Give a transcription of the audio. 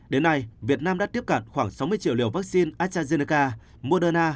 đến nay việt nam đã tiếp cận khoảng sáu mươi triệu liều vaccine astrazeneca moderna